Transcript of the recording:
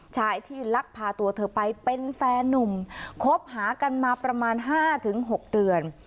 ชายที่ลักพาตัวเธอไปเป็นแฟนนุ่มคบหากันมาประมาณ๕๖เดือน